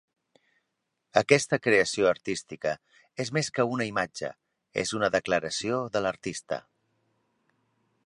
Aquesta creació artística és més que una imatge, és una declaració de l'artista.